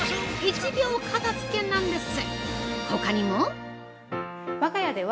「１秒片づけ」なんです！